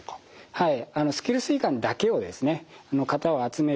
はい。